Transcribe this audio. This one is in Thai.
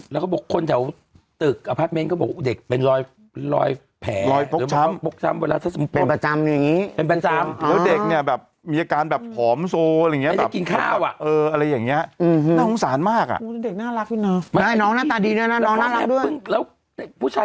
แล้วก็บอกคนแถวอพาร์ทเมนก็บอกแต่เด็กเป็นรอยแผลดอกจำ